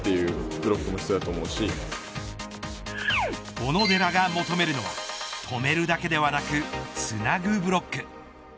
小野寺が求めるのは止めるだけではなくつなぐブロック。